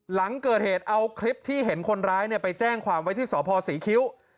หลังเกิดเหตุเอาคลิปที่เห็นคนร้ายไปแจ้งความไว้ที่สพศรีคิ้ว